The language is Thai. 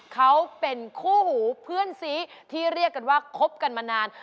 เขาเป็นคู่หูเพื่อนซีที่เรียกกันว่าคบกันมานาน